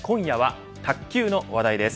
今夜は卓球の話題です。